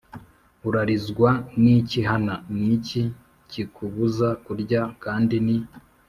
Urarizwa n iki Hana Ni iki kikubuza kurya kandi ni